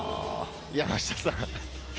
山下さん。